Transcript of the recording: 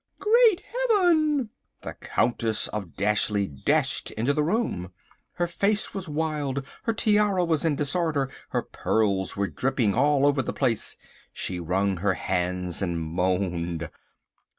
"Great Heaven!" The Countess of Dashleigh dashed into the room. Her face was wild. Her tiara was in disorder. Her pearls were dripping all over the place. She wrung her hands and moaned.